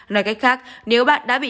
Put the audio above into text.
nói cách khác nếu bạn đã bị